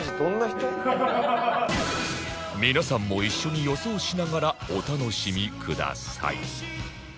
皆さんも一緒に予想しながらお楽しみください